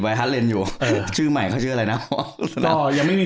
ไวท์ฮาร์ทเลนส์อยู่เออชื่อใหม่เขาเชื่ออะไรน่ะอ๋อยังไม่มี